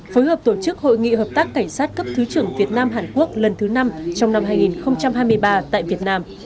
phối hợp tổ chức hội nghị hợp tác cảnh sát cấp thứ trưởng việt nam hàn quốc lần thứ năm trong năm hai nghìn hai mươi ba tại việt nam